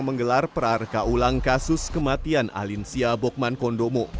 menggelar perar kaulang kasus kematian alinsia bokman kondomo